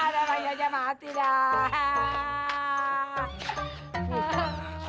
ah udah bangnya aja mati dah